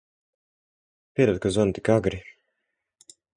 Piedod, ka zvanu tik agri.